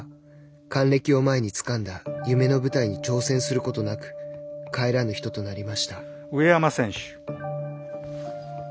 還暦を前につかんだ夢の舞台に挑戦することなく帰らぬ人となりました。